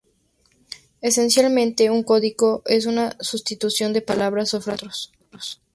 Esencialmente un código es una sustitución de palabras o frases por otros.